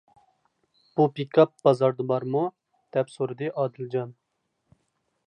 بۇ پىكاپ بازاردا بارمۇ؟ -دەپ سورىدى ئادىلجان.